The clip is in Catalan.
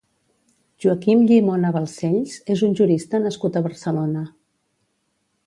Joaquim Llimona Balcells és un jurista nascut a Barcelona.